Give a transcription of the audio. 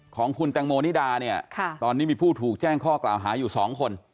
ของคุณแตงโมนิดาเนี่ยตอนนี้มีผู้ถูกแจ้งข้อกล่าวหาอยู่๒คน